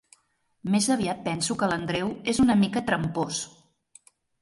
Més aviat penso que l'Andreu és una mica trampós.